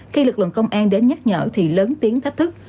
khi lực lượng công an đến nhắc nhở thì lớn tiếng thách thức